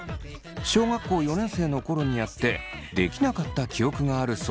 小学校４年生の頃にやってできなかった記憶があるそう。